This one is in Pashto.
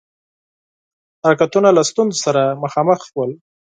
حرکتونه له ستونزو سره مخامخ ول.